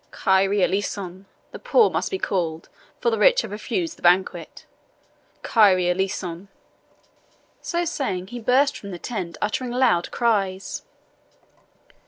Kyrie Eleison! the poor must be called, for the rich have refused the banquet Kyrie Eleison!" So saying, he burst from the tent, uttering loud cries.